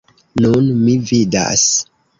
Nun mi vidas.